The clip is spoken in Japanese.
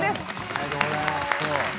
おめでとうございます。